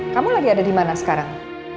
kamu lagi ada dimana sekarang